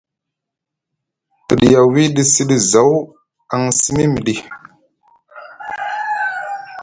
Te ɗiya wiɗi sini zaw aŋ simi miɗi.